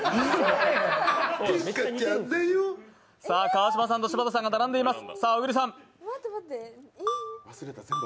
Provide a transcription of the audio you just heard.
川島さんと柴田さんが並んでいてます。